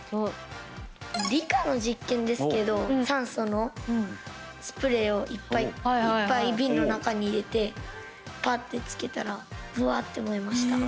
理科の実験ですけど酸素のスプレーをいっぱい瓶の中に入れてパッてつけたらぶわっと燃えました。